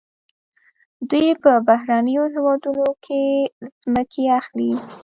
دوی په بهرنیو هیوادونو کې ځمکې اخلي.